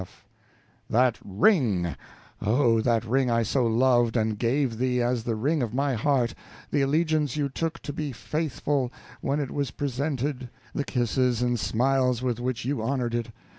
F. That ring, oh, that ring I so loved, and gave thee as the ring of my heart; the allegiance you took to be faithful, when it was presented; the kisses and smiles with which you honored it.